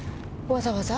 わざわざ？